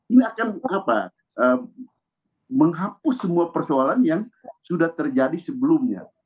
ini akan menghapus semua persoalan yang sudah terjadi sebelumnya